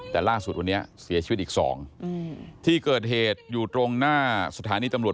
แต่ล่าสุดวันนี้เสียชีวิตอีกสองที่เกิดเหตุอยู่ตรงหน้าสถานีตำรวจ